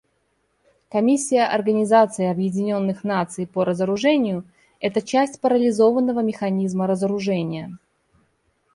Комиссия Организации Объединенных Наций по разоружению — это часть парализованного механизма разоружения.